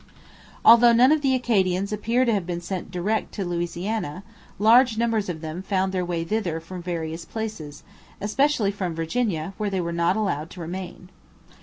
Although none of the Acadians appear to have been sent direct to Louisiana, large numbers of them found their way thither from various places, especially from Virginia, where they were not allowed to remain.